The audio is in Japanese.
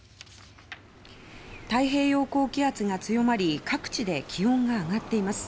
太平洋高気圧が強まり各地で気温が上がっています。